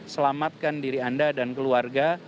selamatkan diri anda dan keluarga